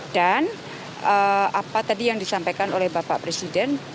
dan apa tadi yang disampaikan oleh bapak presiden